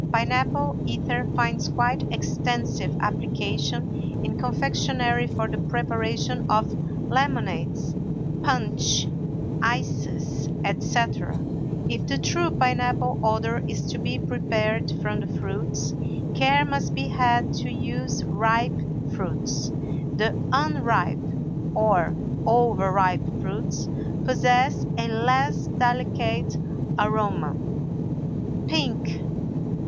Pine apple ether finds quite extensive application in confectionery for the preparation of lemonades, punch, ices, etc. If the true pine apple odor is to be prepared from the fruits, care must be had to use ripe fruits; the unripe or overripe fruits possess a less delicate aroma. PINK.